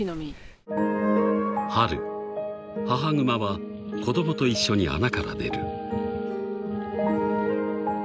［春母熊は子供と一緒に穴から出る］